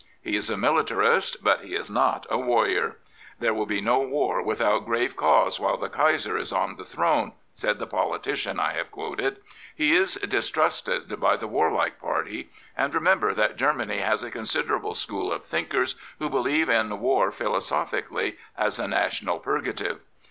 He is a militarist, but he is not a warrior, " There will be no war with out grave cause while the Kaiser is on the throne," said the politician I have quoted. " He is distrusted by the warlike party — and remember that Germany has a considerable school of thinkers who believe in war philosophically as a national purgative.